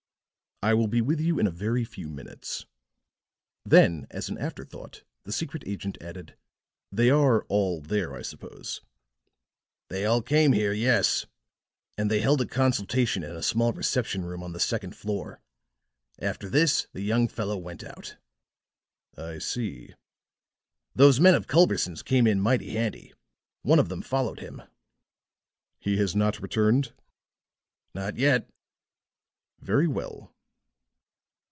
"I will be with you in a very few minutes." Then as an afterthought, the secret agent added, "They are all there, I suppose." "They all came here yes. And they held a consultation in a small reception room on the second floor. After this the young fellow went out." "I see." "Those men of Culberson's came in mighty handy. One of them followed him." "He has not returned?" "Not yet." "Very well."